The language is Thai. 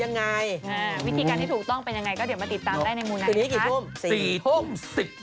วันนี้กี่ทุ่ม